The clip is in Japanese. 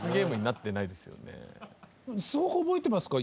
すごく覚えていますか？